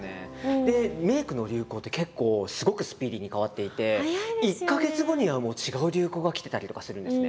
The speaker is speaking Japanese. メイクの流行って結構すごくスピーディーに変わっていて１か月後にはもう違う流行がきてたりとかするんですね。